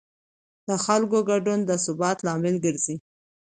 د خلکو ګډون د ثبات لامل ګرځي